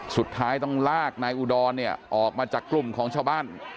สุดท้ายต้องลากนายอุดรเนี่ยออกมาจากกลุ่มของชาวบ้าน